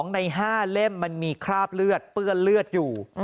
ใน๕เล่มมันมีคราบเลือดเปื้อนเลือดอยู่